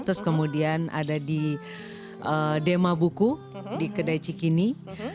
terus kemudian ada di demabuku di kedai cikini